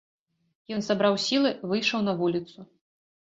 Ён сабраў сілы, выйшаў на вуліцу.